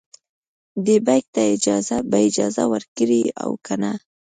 دې بیک ته به اجازه ورکړي او کنه.